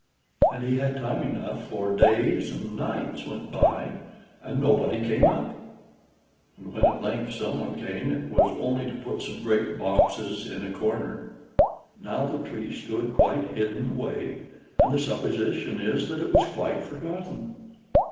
And he had time enough, for days and nights went by, and nobody came up; and when at length some one came, it was only to put some great boxes in a corner. Now the Tree stood quite hidden away, and the supposition is that it was quite forgotten.